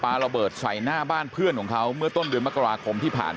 ระเบิดใส่หน้าบ้านเพื่อนของเขาเมื่อต้นเดือนมกราคมที่ผ่าน